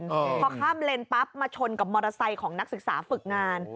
พอข้ามเลนปั๊บมาชนกับมอเตอร์ไซค์ของนักศึกษาฝึกงาน